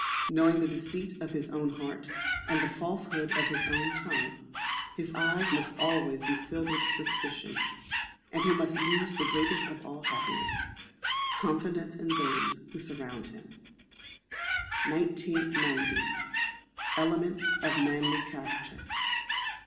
Knowing the deceit of his own heart, and the falsehood of his own tongue, his eyes must be always filled with suspicion, and he must lose the greatest of all happiness confidence in those who surround him. 1990. Elements of Manly Character.